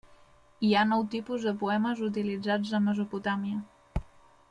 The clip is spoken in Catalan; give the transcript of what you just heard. Hi ha nou tipus de poemes utilitzats a Mesopotàmia.